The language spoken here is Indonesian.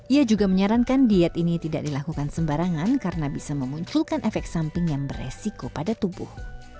ia juga menyarankan diet ini tidak dilakukan sembarangan karena bisa memunculkan efek samping yang beresiko pada tubuh